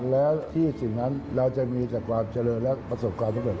แล้วที่สิ่งนั้นเราจะมีแต่ความเจริญและประสบความสำเร็